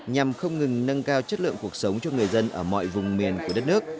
nhằm không ngừng nâng cao chất lượng cuộc sống cho người dân ở mọi vùng miền của đất nước